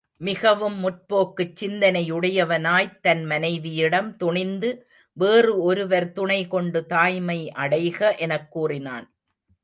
மிகவும் முற்போக்குச் சிந்தனையுடையவனாய்த் தன் மனைவியிடம் துணிந்து வேறு ஒருவர் துணை கொண்டு தாய்மை அடைக எனக் கூறினான்.